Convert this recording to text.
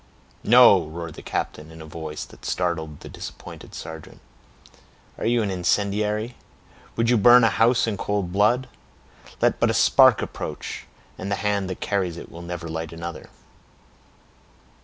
"No!" roared the captain, in a voice that startled the disappointed sergeant. "Are you an incendiary? Would you burn a house in cold blood? Let but a spark approach, and the hand that carries it will never light another."